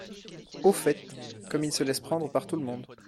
Au fait, comme il se laisse prendre par tout le monde.